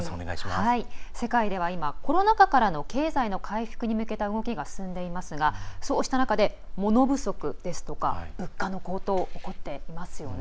世界では今コロナ禍からの経済の回復に向けた動きが進んでいますがそうした中で、物不足ですとか物価の高騰、起こっていますよね。